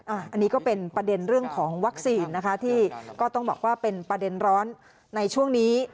อันนี้ก็เป็นประเด็นเรื่องของวัคซีนนะคะที่ก็ต้องบอกว่าเป็นประเด็นร้อนในช่วงนี้